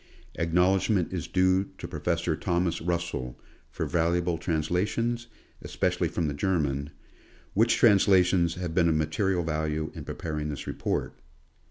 Acknowledgment is due to Professor Thomas Russell, for val uable translations, especially from the German ; which transla tions have been of material value in preparing this report.